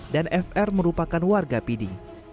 dan fr merupakan warga pdi